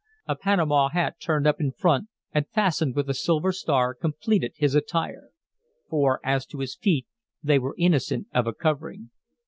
A panama hat turned up in front and fastened with a silver star, completed his attire; for as to his feet, they were innocent of a covering.